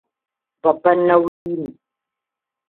Babban nauyi ne.